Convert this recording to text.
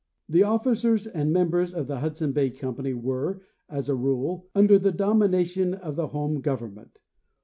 The officers and members of the Hudson Bay company were, as a rule, under the domination of the home government.